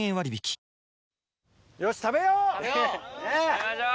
食べましょう。